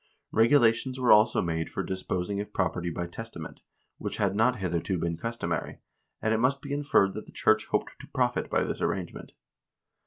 Regu lations were also made for disposing of property by testament, which had not hitherto been customary, and it must be inferred that the church hoped to profit by this arrangement.